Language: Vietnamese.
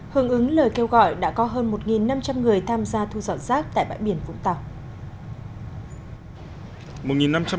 hưởng ứng lời kêu gọi đã có hơn một năm trăm linh người tham gia thu dọn rác tại bãi biển vũng tàu